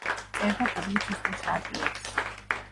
წერდა პუბლიცისტურ სტატიებს.